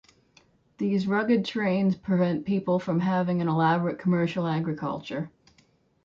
These rugged terrains prevent people from having an elaborate commercial agriculture.